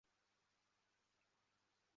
之后开始一场问题多多的亲子之旅。